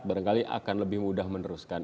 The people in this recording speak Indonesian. barangkali akan lebih mudah meneruskan